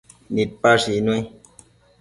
Nidquepash icnui